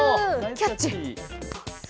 キャッチ。